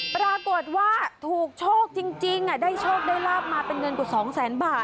ปรากฏว่าถูกโชคจริงได้โชคได้ลาบมาเป็นเงินกว่า๒แสนบาท